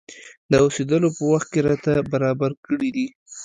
د اوسېدلو په وخت کې راته برابر کړي دي.